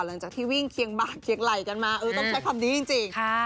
หลังจากที่วิ่งเคียงบากเคียงไหล่กันมาต้องใช้คำนี้จริง